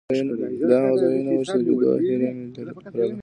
دا هغه ځایونه وو چې د لیدو هیله مې لرله.